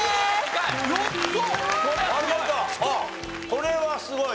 これはすごい！